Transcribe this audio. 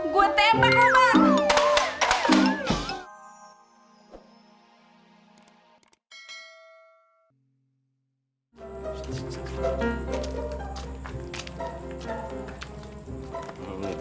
gue tembak omar